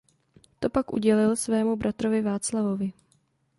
To pak udělil svému bratrovi Václavovi.